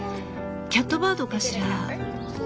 キャットバードかしら？